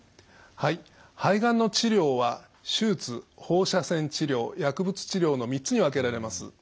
はい肺がんの治療は手術放射線治療薬物治療の３つに分けられます。